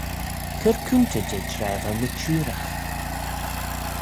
Cur coontey jeh traa v'ou mitçhooragh.